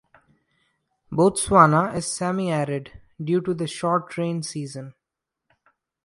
Botswana is semi-arid, due to the short rain season.